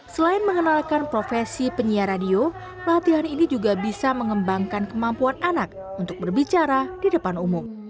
selain mengenalkan profesi penyiar radio latihan ini juga bisa mengembangkan kemampuan anak untuk berbicara di depan umum